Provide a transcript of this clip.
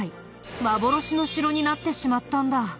幻の城になってしまったんだ。